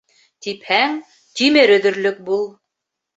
Типһәң, тимер өҙөрлөк бул.